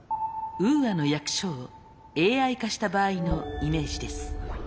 ウーアの役所をＡＩ化した場合のイメージです。